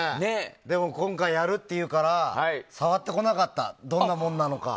でも今回やるっていうから触ってこなかったどんなものなのか。